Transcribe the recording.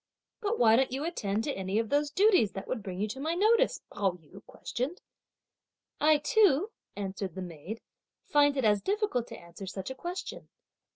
"But why don't you attend to any of those duties that would bring you to my notice?" Pao yü questioned. "I too," answered the maid, "find it as difficult to answer such a question.